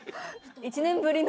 １年ぶりの。